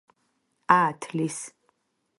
აათლის